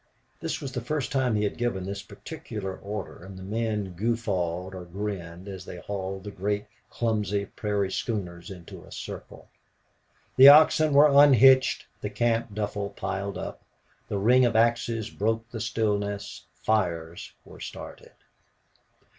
This was the first time he had given this particular order, and the men guffawed or grinned as they hauled the great, clumsy prairie schooners into a circle. The oxen were unhitched; the camp duffle piled out; the ring of axes broke the stillness; fires were started.